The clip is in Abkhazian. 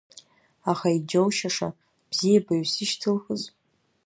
Аха иџьоушьаша, бзиабаҩыс ишьҭылхыз?